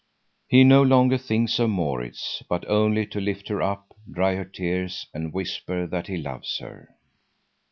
He no longer thinks of Maurits, but only to lift her up, dry her tears and whisper that he loves her.